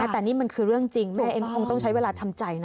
แต่นี่มันคือเรื่องจริงแม่เองก็คงต้องใช้เวลาทำใจนะ